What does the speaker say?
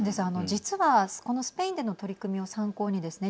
実はこのスペインでの取り組みを参考にですね